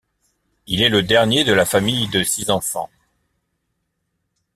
Il est le dernier de la famille de six enfants.